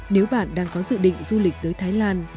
nếu bạn đang có dự định du lịch tới thái lan